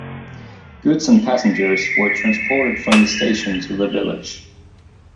Goods and passengers were transported from the station to the village.